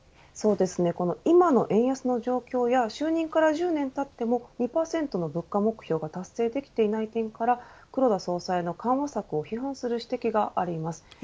今の円安の状況や、就任から１０年たっても２％の物価目標が達成できていない点から黒田総裁の緩和策を批判する指摘があります。